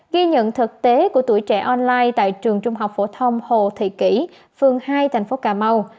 ghi nhận thực tế của tuổi trẻ online tại trường trung học phổ thông hồ thị kỷ phường hai thành phố cà mau